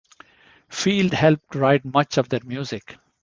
Field helped write much of their music.